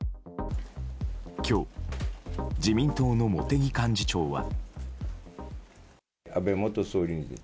今日、自民党の茂木幹事長は。